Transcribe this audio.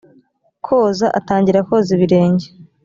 koza: atangira koza ibirenge